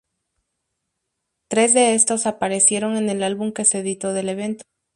Tres de estos aparecieron en el álbum que se editó del evento.